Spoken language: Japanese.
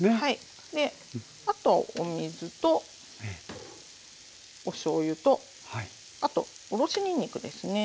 あとはお水とおしょうゆとあとおろしにんにくですね。